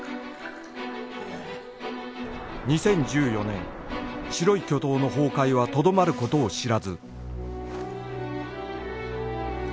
２０１４年白い巨塔の崩壊はとどまる事を知らず